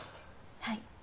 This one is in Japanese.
はい。